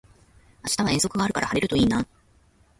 明日は遠足があるから晴れるといいな